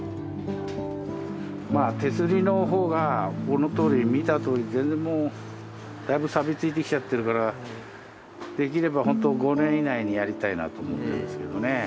まあ手すりの方がこのとおり見たとおり全然もうだいぶさび付いてきちゃってるからできればほんと５年以内にやりたいなと思ってるんですけどね。